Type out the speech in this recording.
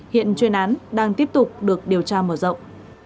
hiện chuyên án đang tiếp tục được điều tra mở rộng